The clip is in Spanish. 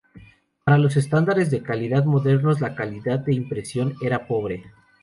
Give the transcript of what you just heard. Para los estándares de calidad modernos, la calidad de impresión era pobre.